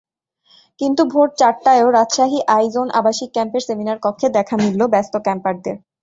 কিন্তু ভোররাত চারটায়ও রাজশাহী আই-জেন আবাসিক ক্যাম্পের সেমিনারকক্ষে দেখা মিলল ব্যস্ত ক্যাম্পারদের।